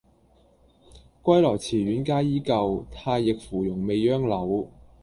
歸來池苑皆依舊，太液芙蓉未央柳。